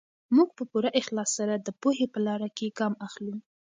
موږ په پوره اخلاص سره د پوهې په لاره کې ګام اخلو.